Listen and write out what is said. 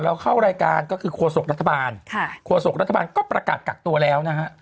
เข้ารายการก็คือโฆษกรัฐบาลโฆษกรัฐบาลก็ประกาศกักตัวแล้วนะฮะ